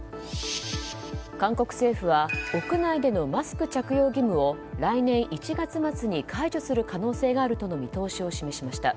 韓国政府は屋内でのマスク着用義務を来年１月末に解除する可能性があるとの見通しを示しました。